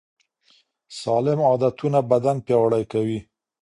سالم عادتونه بدن پیاوړی کوي.